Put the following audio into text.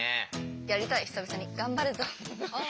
やりたい久々に「頑張るぞおー！」。